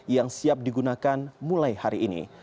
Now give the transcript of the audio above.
yang siap digunakan mulai hari ini